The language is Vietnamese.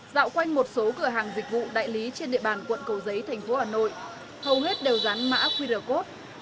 dạo quanh một số cửa hàng dịch vụ đại lý trên địa bàn quận cầu giấy thành phố hà nội hầu hết đều dán mã qr code